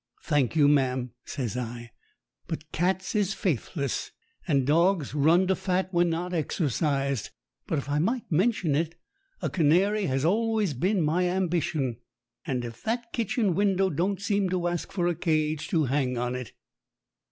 "Thank you, ma'am," says I, "but cats is faithless, and dogs runs to fat when not exercised; but if I might mention it, a canary has always been my am bition. And if that kitchen window don't seem to ask for a cage to hang on it